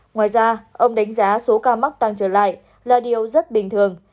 ngoài ra ông đánh giá số ca mắc tăng trở lại là điều rất bình thường